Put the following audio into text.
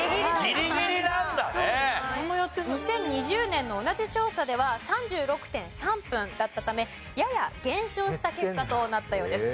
２０２０年の同じ調査では３６．３分だったためやや減少した結果となったようです。